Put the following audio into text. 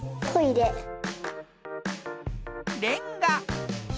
レンガ。